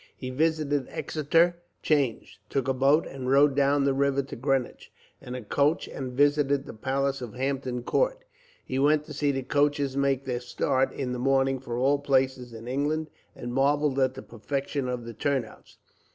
He visited Exeter Change, took a boat and rowed down the river to Greenwich, and a coach and visited the palace of Hampton Court. He went to see the coaches make their start, in the morning, for all places in England, and marvelled at the perfection of the turnouts.